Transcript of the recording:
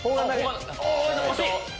惜しい！